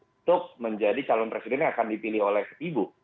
untuk menjadi calon presiden yang akan dipilih oleh ibu